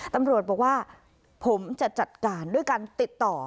ตำรวจบอกว่าผมจะจัดการด้วยการติดต่อ